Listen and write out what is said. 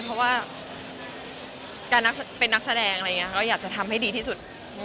เพราะว่าเป็นนักแสดงถ้าอยากจะทำให้ดีที่สุด